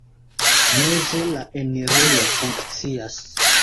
Meze la enirejo funkcias.